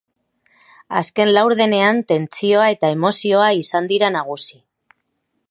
Azken laurdenean tentsioa eta emozioa izan dira nagusi.